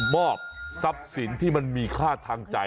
มอบทรัพย์สินที่มันมีค่าทางใจ